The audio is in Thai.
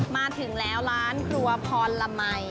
มาถึงแล้วร้านครัวพรมัย